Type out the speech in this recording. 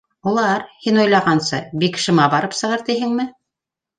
Улар һин уйлағанса бик шыма барып сығыр тиһеңме?